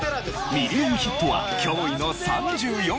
ミリオンヒットは驚異の３４作。